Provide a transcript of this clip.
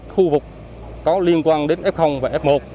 khu vực có liên quan đến f và f một